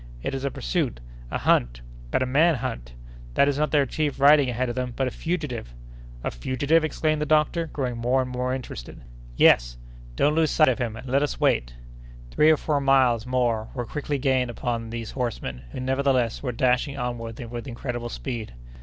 It is a pursuit—a hunt—but a man hunt! That is not their chief riding ahead of them, but a fugitive." "A fugitive!" exclaimed the doctor, growing more and more interested. "Yes!" "Don't lose sight of him, and let us wait!" Three or four miles more were quickly gained upon these horsemen, who nevertheless were dashing onward with incredible speed.